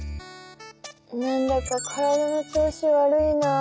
なんだか体の調子悪いなあ。